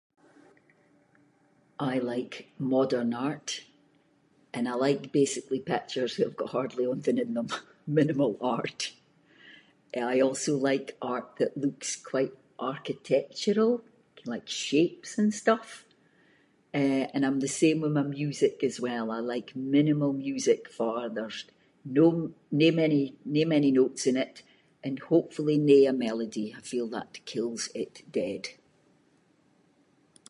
I like modern art, and I like basically pictures that have got hardly onything in them. Minimal art. Eh, I also like art that looks quite architectural like shapes and stuff, eh, and I’m the same with my music as well. I like minimal music, farr there’s no- no many- no many notes in it, and hopefully no a melody, I feel that kills it dead.